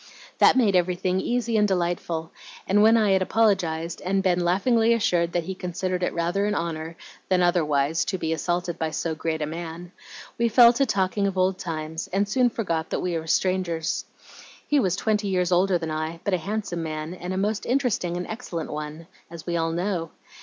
"That made everything easy and delightful, and when I had apologized and been laughingly assured that he considered it rather an honor than otherwise to be assaulted by so great a man, we fell to talking of old times, and soon forgot that we were strangers. He was twenty years older than I, but a handsome man, and a most interesting and excellent one, as we all know.